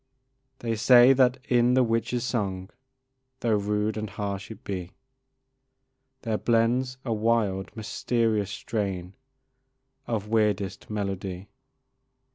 They say that in the witch's song, Though rude and harsh it be, There blends a wild, mysterious strain Of weirdest melody.